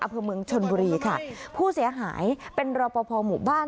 อำเภอเมืองชนบุรีค่ะผู้เสียหายเป็นรอปภหมู่บ้าน